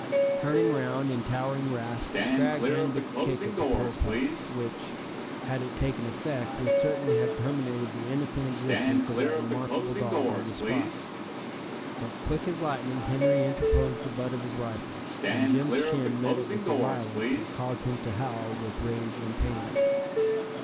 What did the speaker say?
'Turning round in towering wrath, Scraggs aimed a kick at the poor pup, which, had it taken effect, would certainly have terminated the innocent existence of that remarkable dog on the spot; but quick as lightning Henri interposed the butt of his rifle, and Jim's shin met it with a violence that caused him to howl with rage and pain.